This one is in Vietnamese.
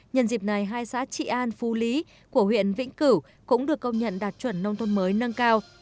nhân dịp này hai xã trị an phu lý của huyện vĩnh cửu cũng được công nhận đạt chuẩn nông thôn mới nâng cao